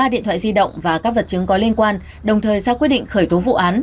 ba điện thoại di động và các vật chứng có liên quan đồng thời ra quyết định khởi tố vụ án